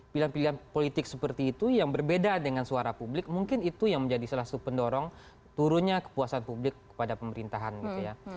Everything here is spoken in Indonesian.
pilihan pilihan politik seperti itu yang berbeda dengan suara publik mungkin itu yang menjadi salah satu pendorong turunnya kepuasan publik kepada pemerintahan gitu ya